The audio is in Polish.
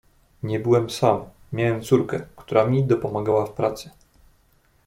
"Nie byłem sam, miałem córkę, która mi dopomagała w pracy."